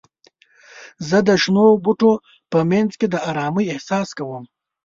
زه د شنو بوټو په منځ کې د آرامۍ احساس کوم.